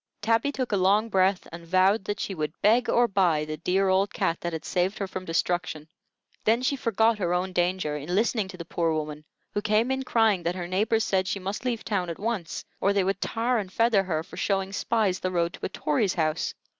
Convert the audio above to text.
Tabby took a long breath, and vowed that she would beg or buy the dear old cat that had saved her from destruction. Then she forgot her own danger in listening to the poor woman, who came in crying that her neighbors said she must leave town at once, or they would tar and feather her for showing spies the road to a Tory's house.